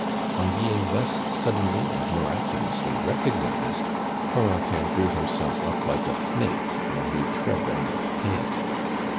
On being thus suddenly and miraculously recognized, Corentin drew himself up like a snake when you tread on its tail.